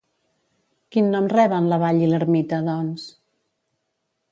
Quin nom reben la vall i l'ermita, doncs?